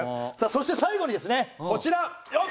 そして最後にですねこちら。